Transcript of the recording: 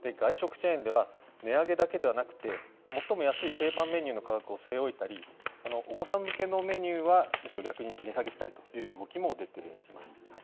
外食チェーンでは、値上げだけではなくて、最も安い定番メニューの価格を据え置いたり、お子さん向けのメニューはむしろ逆に値下げしたりという動きも出ています。